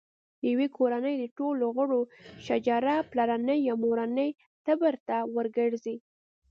د یوې کورنۍ د ټولو غړو شجره پلرني یا مورني ټبر ته ورګرځي.